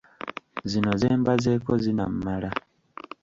Zino ze mbazeeko zinammala.